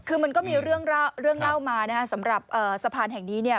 คือมันก็มีเรื่องเล่ามานะฮะสำหรับสะพานแห่งนี้เนี่ย